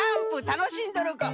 たのしんどるか？